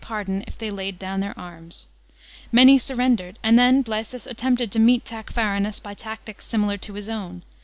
183 pardon if they laid down their arms. Many surrendered, and then Blsesus attempted to meet Tacfarin^s by tactics similar to his own.